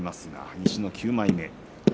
西の９枚目です。